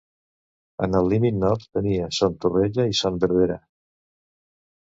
En el límit nord tenia Son Torrella i Son Verdera.